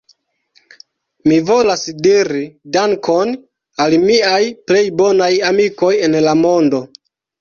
Mi volas diri Dankon al miaj plej bonaj amikoj en la mondo